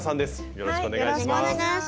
よろしくお願いします。